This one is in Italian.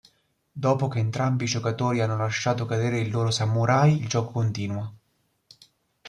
Dopo che entrambi i giocatori hanno lasciato cadere il loro samurai il gioco continua.